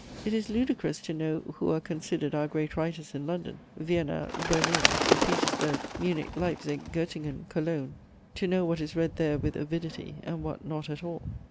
It is ludicrous to know who are considered our great writers in London, Vienna, Berlin, St Petersburg, Munich, Leipzig, Göttingen, Cologne, to know what is read there with avidity and what not at all.